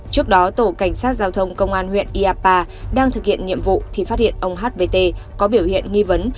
trước đó tổ cảnh sát giao thông công an huyện iapa đang thực hiện nhiệm vụ thì phát hiện ông hvt có biểu hiện nghi vấn